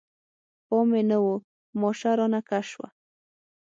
پام مې نه و، ماشه رانه کش شوه.